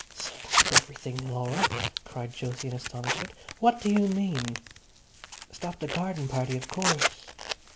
"Stop everything, Laura!" cried Jose in astonishment. "What do you mean?" "Stop the garden party, of course."